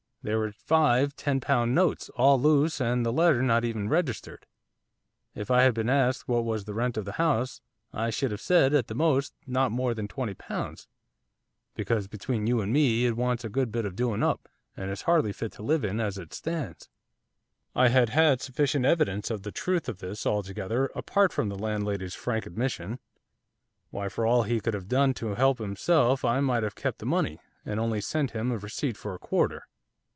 There were five ten pound notes, all loose, and the letter not even registered. If I had been asked what was the rent of the house, I should have said, at the most, not more than twenty pounds, because, between you and me, it wants a good bit of doing up, and is hardly fit to live in as it stands.' I had had sufficient evidence of the truth of this altogether apart from the landlady's frank admission. 'Why, for all he could have done to help himself I might have kept the money, and only sent him a receipt for a quarter.